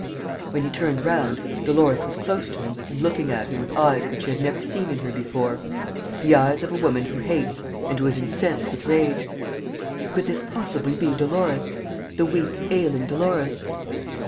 When he turned round, Dolores was close to him and looking at him with eyes which he had never seen in her before, the eyes of a woman who hates and who is incensed with rage. Could this possibly be Dolores, the weak, ailing Dolores?